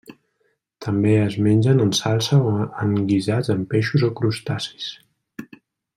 També es mengen en salsa o en guisats amb peixos o crustacis.